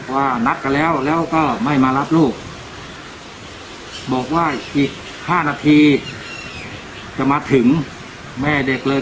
ว่านัดกันแล้วแล้วก็ไม่มารับลูกบอกว่าอีกห้านาทีจะมาถึงแม่เด็กเลย